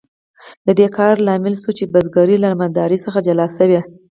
د دې کار لامل شو چې بزګري له مالدارۍ څخه جلا شي.